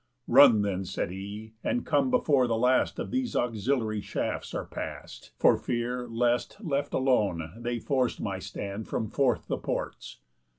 _ "Run then," said he, "and come before the last Of these auxiliary shafts are past, For fear, lest, left alone, they force my stand From forth the ports."